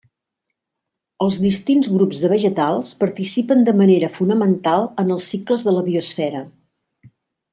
Els distints grups de vegetals participen de manera fonamental en els cicles de la biosfera.